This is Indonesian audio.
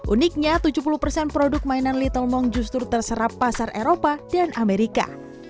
uniknya tujuh puluh persen produk mainan little mong justru terserap pasar eropa dan amerika